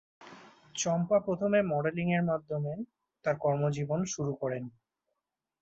চম্পা প্রথমে মডেলিং-এর মাধ্যমে তার কর্মজীবন শুরু করেন।